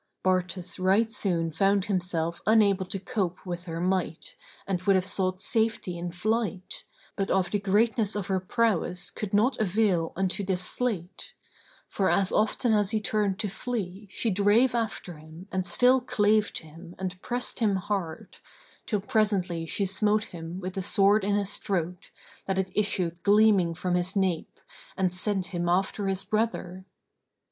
Bartus right soon found himself unable to cope with her might and would have sought safety in flight, but of the greatness of her prowess could not avail unto this sleight; for, as often as he turned to flee, she drave after him and still clave to him and pressed him hard, till presently she smote him with the sword in his throat, that it issued gleaming from his nape, and sent him after his brother.